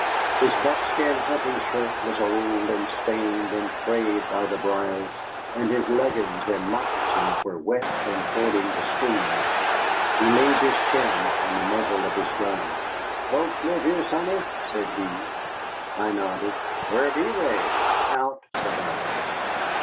His buckskin hunting shirt was old and stained and frayed by the briers, and his leggins and moccasins were wet from fording the stream. He leaned his chin on the muzzle of his gun. "Folks live here, sonny?" said he. I nodded. "Whar be they?" "Out," said I.